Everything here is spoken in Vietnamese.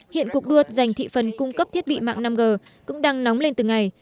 hiện cuộc đua giành thị phần cung cấp thiết bị mạng năm g cũng đang nóng lên từng ngày